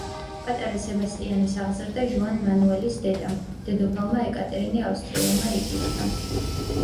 პატარა სებასტიანის აღზრდა ჟუან მანუელის დედამ, დედოფალმა ეკატერინე ავსტრიელმა იკისრა.